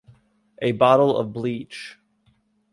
A bottle of bleach